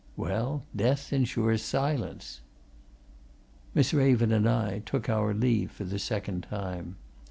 Well death ensures silence." Miss Raven and I took our leave for the second time.